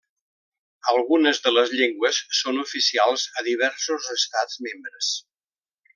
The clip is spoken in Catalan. Algunes de les llengües són oficials a diversos estats membres.